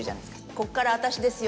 「ここから私ですよ」